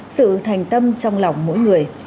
sự thành tâm trong lòng mỗi người